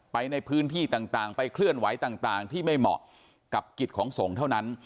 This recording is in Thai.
ไปในพื้นที่ต่างไปเคลื่อนไหวต่างที่ไม่เหมาะกับกิจของสงฆ์เท่านั้น